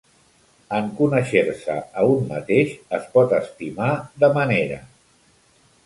En conèixer-se a un mateix, es pot estimar de manera.